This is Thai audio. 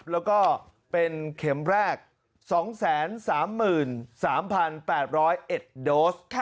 แล้วก็เป็นเข็มแรก๒๓๓๘๐๑โดส